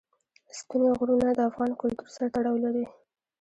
ستوني غرونه د افغان کلتور سره تړاو لري.